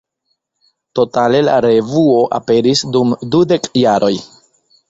Totale la revuo aperis dum dudek jaroj.